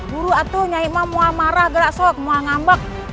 guru aku mau marah gerak sok mau ngambek